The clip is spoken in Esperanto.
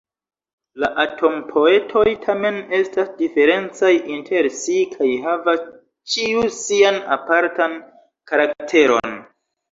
La "atom-poetoj" tamen estas diferencaj inter si kaj havas ĉiu sian apartan karakteron.